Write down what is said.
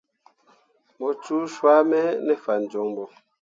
Mu cuu swãme ne fan joŋ bo.